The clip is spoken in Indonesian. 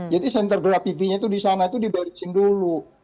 jadi center gravity nya itu di sana itu dibalikin dulu